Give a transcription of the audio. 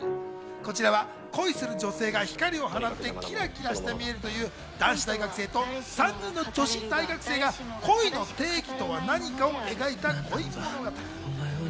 こちらは恋する女性が光を放って、キラキラして見えるという男子大学生と３人の女子大学生が恋の定義とは何かを描いた恋物語。